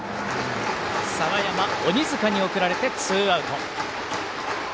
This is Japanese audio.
澤山、鬼塚と送られてツーアウト。